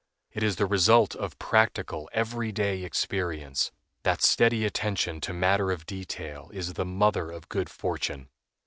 It is the result of practical, every day experience, that steady attention to matter of detail is the mother of good fortune.